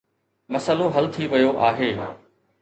مسئلو حل ٿي ويو آهي.